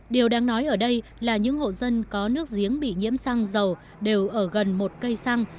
điều đáng nói ở đây là những hộ dân có nước giếng bị nhiễm xăng dầu đều ở gần một cây xăng